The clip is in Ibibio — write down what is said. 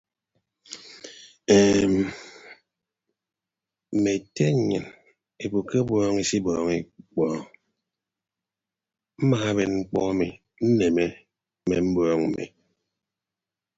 Eem mme ete nnyịn ebo ke ọbọọñ isibọọñọ ikpọọñ mmaaben mkpọ emi nneme mme mbọọñ mmi.